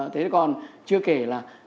thế còn chưa kể là